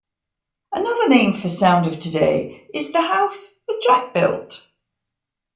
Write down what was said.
Another name for the "Sound of Today" is "the House that Jack Built.